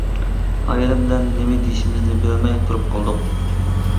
ئايالىم بىلەن نېمە دېيىشىمىزنى بىلەلمەي تۇرۇپ قالدۇق.